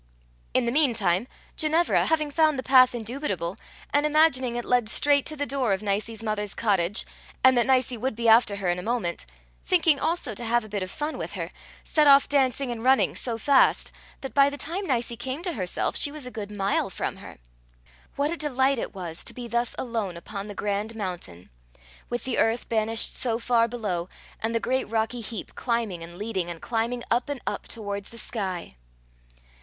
In the mean time Ginevra, having found the path indubitable, and imagining it led straight to the door of Nicie's mother's cottage, and that Nicie would be after her in a moment, thinking also to have a bit of fun with her, set off dancing and running so fast, that by the time Nicie came to herself, she was a good mile from her. What a delight it was to be thus alone upon the grand mountain! with the earth banished so far below, and the great rocky heap climbing and leading and climbing up and up towards the sky!